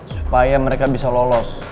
supaya mereka bisa lolos